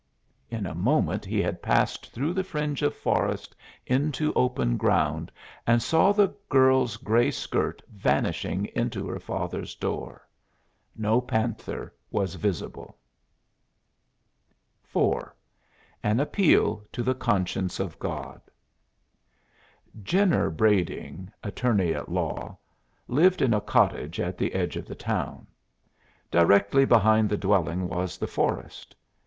In a moment he had passed through the fringe of forest into open ground and saw the girl's gray skirt vanishing into her father's door. No panther was visible. IV AN APPEAL TO THE CONSCIENCE OF GOD Jenner Brading, attorney at law, lived in a cottage at the edge of the town. Directly behind the dwelling was the forest.